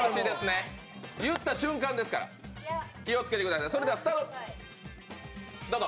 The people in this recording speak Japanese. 言った瞬間ですから気をつけてください、どうぞ。